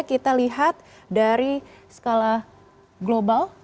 kita lihat dari skala global